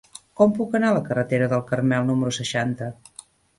Com puc anar a la carretera del Carmel número seixanta?